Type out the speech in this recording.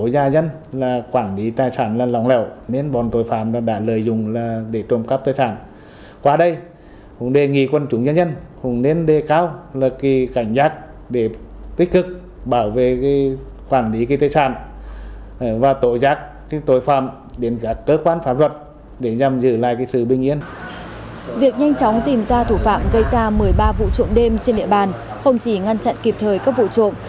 việc nhanh chóng tìm ra thủ phạm gây ra một mươi ba vụ trộm đêm trên địa bàn không chỉ ngăn chặn kịp thời các vụ trộm